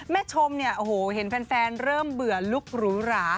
แม่ชมเห็นแฟนเริ่มเบื่อลูกหรูหรา